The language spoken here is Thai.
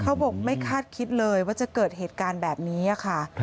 เขาบอกไม่คาดคิดเลยว่าจะเกิดเหตุการณ์แบบนี้ค่ะ